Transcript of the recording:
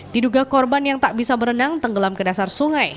diduga korban yang tak bisa berenang tenggelam ke dasar sungai